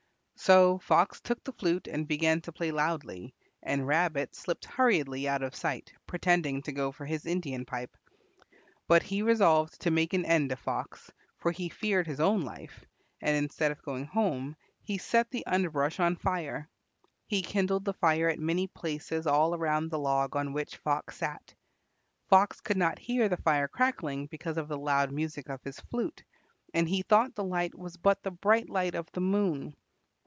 So Fox took the flute and began to play loudly, and Rabbit slipped hurriedly out of sight, pretending to go for his Indian pipe. But he resolved to make an end of Fox, for he feared for his own life, and instead of going home, he set the underbrush on fire. He kindled the fire at many places all around the log on which Fox sat. Fox could not hear the fire crackling because of the loud music of his flute, and he thought the light was but the bright light of the moon.